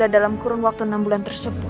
dalam waktu enam bulan